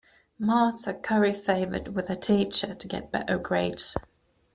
Marta curry favored with her teacher to get better grades.